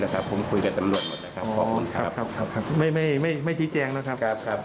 ขอบคุณครับ